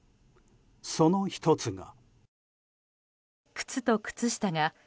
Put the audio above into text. その１つが。